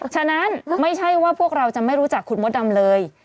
ฉะนั้นไม่ใช่ว่าพวกเราจะไม่รู้จักคุณมดดำเลย